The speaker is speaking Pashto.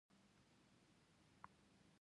هر څوک د بیان ازادي حق لري ویره او ډار ونه لري.